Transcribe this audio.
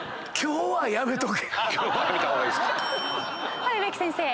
はい植木先生。